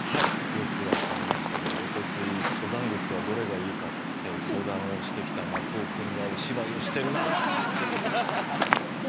よく分かりましたけどおとつい登山靴はどれがいいかって相談をしてきた松尾君がお芝居をしてるなあっていう。